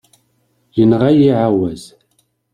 Yenɣa-yi ɛawaz.